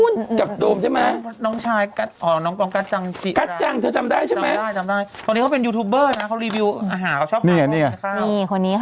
นกั๊ดจังที่เมื่อก่อน